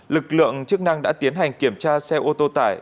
lực lượng chức năng đã tiến hành kiểm tra xe ô tô tải